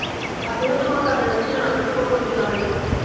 আপনি হয়তো কোনো কাজে যাচ্ছিলেন– আপনার তো কোনো অসুবিধে হয় নি?